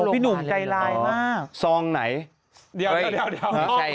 พี่หนุ่มใกล้ลายมาก